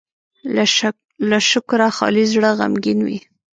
له شکره خالي زړه غمګين وي.